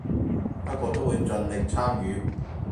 不過都會盡力參與